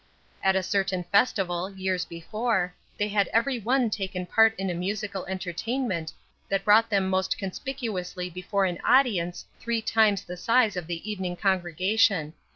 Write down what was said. At a certain festival, years before, they had every one taken part in a musical entertainment that brought them most conspicuously before an audience three times the size of the evening congregation.